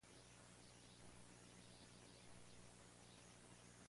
Aún no se conoce si puede tener aplicaciones comerciales.